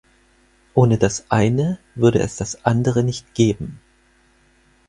Ohne das eine würde es das andere nicht geben.